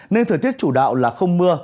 nên thời tiết chủ đạo là không mưa